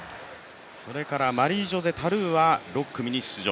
それからマリージョセ・タルーは６組に出場。